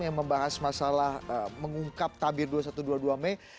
yang membahas masalah mengungkap tabir dua ribu satu ratus dua puluh dua mei